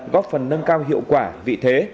góp phần nâng cao hiệu quả vị thế